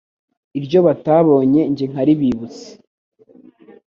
Iryo batabonye jye nkaribibutsa.